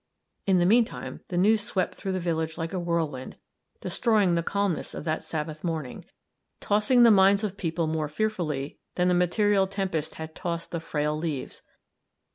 In the mean time, the news swept through the village like a whirlwind, destroying the calmness of that Sabbath morning, tossing the minds of people more fearfully than the material tempest had tossed the frail leaves.